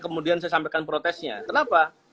kemudian saya sampaikan protesnya kenapa